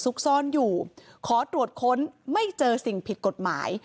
ซ่อนอยู่ขอตรวจค้นไม่เจอสิ่งผิดกฎหมาย